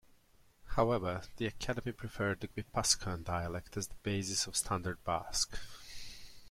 However, the Academy preferred the Guipuscoan dialect as the basis of Standard Basque.